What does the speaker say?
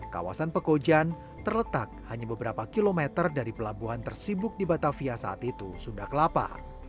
kawasan pekojan terletak hanya beberapa kilometer dari pelabuhan tersibuk di batavia saat itu sunda kelapa